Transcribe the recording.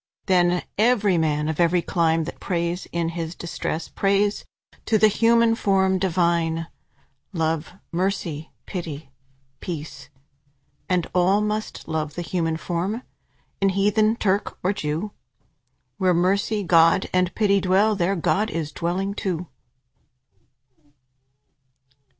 Then every man, of every clime, That prays in his distress, Prays to the human form divine: Love, Mercy, Pity, Peace. And all must love the human form, In heathen, Turk, or Jew. Where Mercy, Love, and Pity dwell, There God is dwelling too.